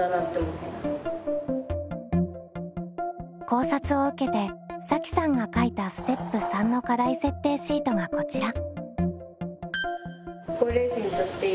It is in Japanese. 考察を受けてさきさんが書いたステップ３の課題設定シートがこちら。